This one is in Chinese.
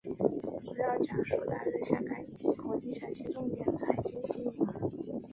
主要讲述当日香港以及国际详细重点财经新闻。